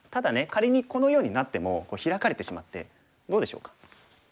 仮にこのようになってもヒラかれてしまってどうでしょうか？